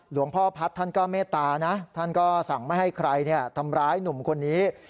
หลวงพ่อพัฒน์ท่านก็เมตตานะท่านก็สั่งไม่ให้ใครทำร้ายหนุ่มคนนี้